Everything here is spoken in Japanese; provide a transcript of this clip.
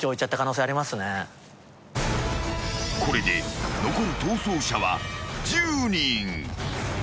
［これで残る逃走者は１０人］